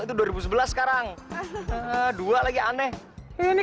kita harus macam perempuan ini